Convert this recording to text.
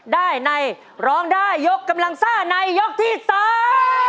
ได้ในร้องได้ยกกำลังซ่าในยกที่สาม